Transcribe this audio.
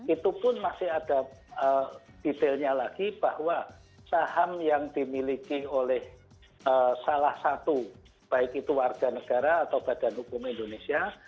itu pun masih ada detailnya lagi bahwa saham yang dimiliki oleh salah satu baik itu warga negara atau badan hukum indonesia